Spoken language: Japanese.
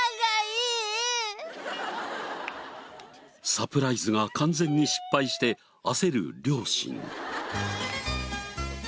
サプライズが完全に失敗して焦る両親。